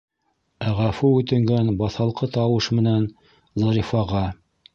Ә ғәфү үтенгән, баҫалҡы тауыш менән Зарифаға: